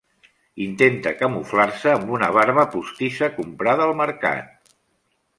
Intenta camuflar-se amb una barba postissa comprada al mercat.